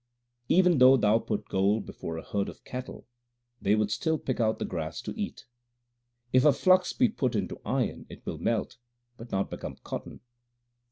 HYMNS OF GURU NANAK 285 Even though thou put gold before a herd of cattle, they would still pick out the grass to eat. If a flux be put into iron it will melt, but not become cotton.